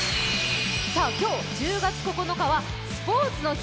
今日、１０月９日はスポーツの日。